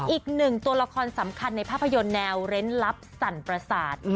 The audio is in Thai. อีกหนึ่งตัวละครสำคัญในภาพยนตร์แนวเร้นลับสั่นประสาท